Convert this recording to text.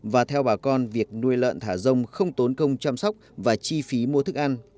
và theo bà con việc nuôi lợn thả rông không tốn công chăm sóc và chi phí mua thức ăn